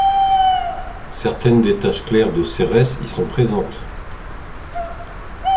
Certaines des taches claires de Cérès y sont présentes.